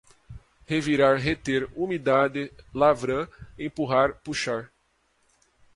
revirar, reter, umidade, lavram, empurrar, puxar